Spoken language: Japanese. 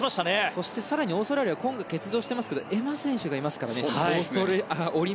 そして更にオーストラリアは今大会欠場してますけどエマ選手がいますからね。